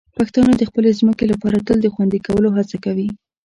پښتانه د خپلې ځمکې لپاره تل د خوندي کولو هڅه کوي.